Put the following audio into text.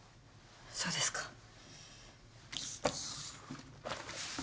そうですか。